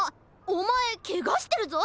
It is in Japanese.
おまえケガしてるぞ！